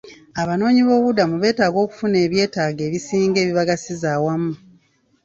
Abanoonyiboobubudamu beetaaga okufuna ebyetaago ebisinga ebibagasiza awamu.